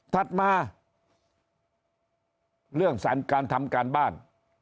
ถัดมาเรื่องการทำการบ้าน